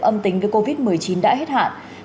âm tính với covid một mươi chín đã hết hạn